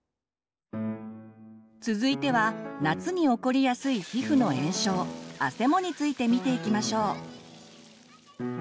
続いては夏に起こりやすい皮膚の炎症「あせも」について見ていきましょう。